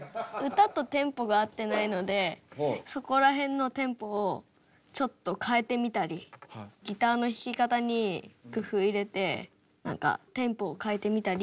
歌とテンポがあってないのでそこら辺のテンポをちょっと変えてみたりギターの弾き方に工夫入れて何かテンポを変えてみたり。